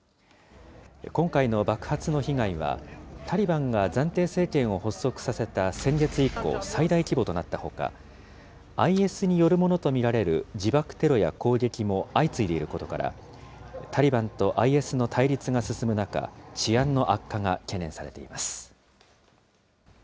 今回の爆発の被害は、タリバンが暫定政権を発足させた先月以降、最大規模となったほか、ＩＳによるものと見られる自爆テロや攻撃も相次いでいることから、タリバンとＩＳの対立が進む中、治安の悪化が懸念されています。